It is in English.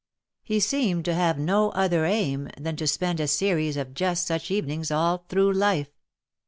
He seemed to have no other aim, than to spend a series of just such evenings all through life.